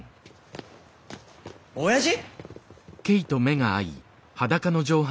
おやじ！